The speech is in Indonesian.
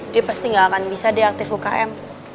dia pasti nggak akan bisa diaktif ukm